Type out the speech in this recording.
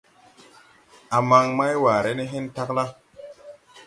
A man maywaare de hen tagla.